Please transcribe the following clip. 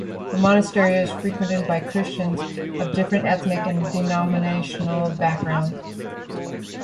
The monastery is frequented by Christians of different ethnic and denominational backgrounds.